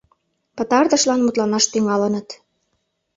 Пытартышлан мутланаш тӱҥалыныт.